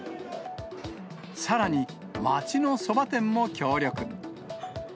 さらに、街のそば店も協力。